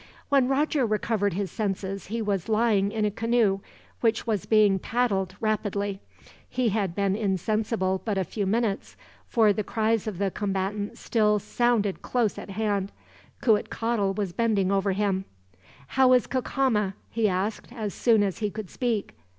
When Roger recovered his senses, he was lying in a canoe, which was being paddled rapidly. He had been insensible but a few minutes, for the cries of the combatants still sounded close at hand. Cuitcatl was bending over him. "How is Cacama?" he asked, as soon as he could speak.